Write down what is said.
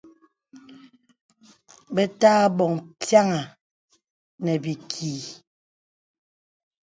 Bə̀ tə̀ abɔ̀ŋ pyàŋà nə̀ bìkì.